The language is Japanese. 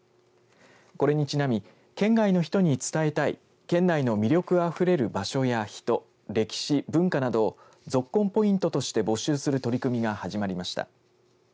これにちなみ県外の人に伝えたいと県内の魅力あふれる場所や人歴史文化などをぞっこんポイントとして募集する取り組みが始まりました。